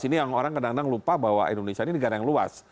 ini yang orang kadang kadang lupa bahwa indonesia ini negara yang luas